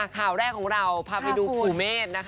ข่าวแรกของเราพาไปดูปู่เมฆ